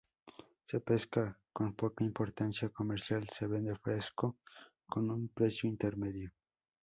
Se pesca con poca importancia comercial, se vende fresco con un precio intermedio.